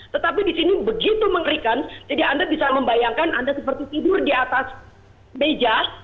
tetapi di sini begitu mengerikan jadi anda bisa membayangkan anda seperti tidur di atas meja